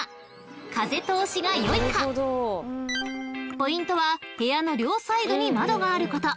［ポイントは部屋の両サイドに窓があること］